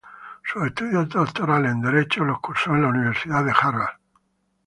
Sus estudios doctorales en Derecho los cursó en la Universidad de Harvard.